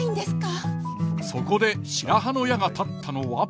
そこで白羽の矢が立ったのは。